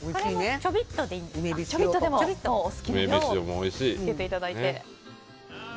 ちょびっとでもお好きな量をのせていただいて。